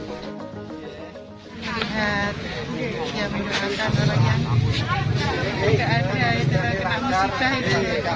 tidak ada tidak ada